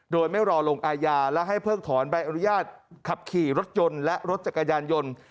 โดยไม่รอลงอาญาและให้เพิกถอนใบอนุญาตขับขี่รถยนต์และรถจักรยานยนต์